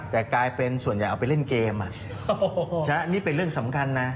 แต่กลายเป็นส่วนใหญ่เอาไปเล่นเกมนี่เป็นเรื่องสำคัญนะ